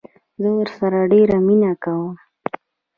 زه ورسره ډيره مينه کوم